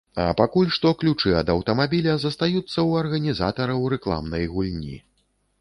А пакуль што ключы ад аўтамабіля застаюцца ў арганізатараў рэкламнай гульні.